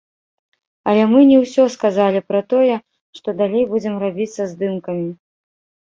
Але мы не ўсё сказалі пра тое, што далей будзем рабіць са здымкамі.